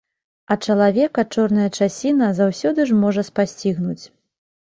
А чалавека чорная часіна заўсёды ж можа спасцігнуць.